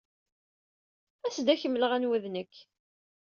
As-d ad ak-mleɣ anwa ay d nekk.